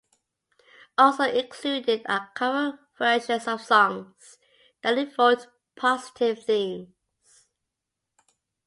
Also included are cover versions of songs that evoked positive themes.